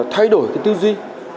thay đổi cái tư duy